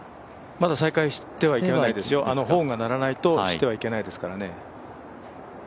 まだ再開してはいないですよ、ホーンが鳴らないとしてはいけないですからね。